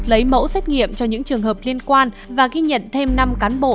lấy mẫu xét nghiệm cho những trường hợp liên quan và ghi nhận thêm năm cán bộ